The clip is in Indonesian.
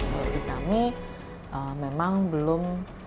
menurut kami memang belum